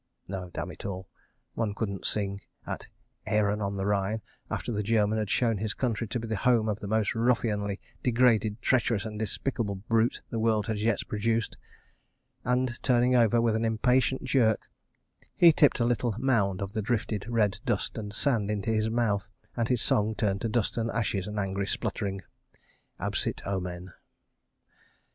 No—damn it all—one couldn't sing "at Ehren on the Rhine," after the German had shown his country to be the home of the most ruffianly, degraded, treacherous and despicable brute the world has yet produced; and, turning over with an impatient jerk, he tipped a little mound of drifted red dust and sand into his mouth and his song turned to dust and ashes and angry spluttering. Absit omen.